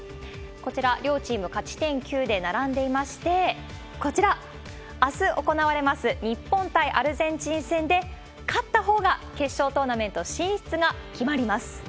こちら、両チーム勝ち点９で並んでいまして、こちら、あす行われます日本対アルゼンチン戦で勝ったほうが決勝トーナメント進出が決まります。